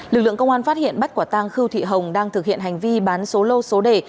lực lượng công an phát hiện bắt quả tang khư thị hồng đang thực hiện hành vi bán số lô số đề